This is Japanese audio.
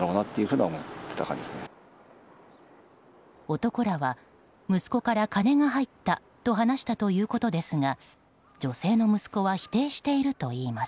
男らは息子から金が入ったと話したということですが女性の息子は否定しているといいます。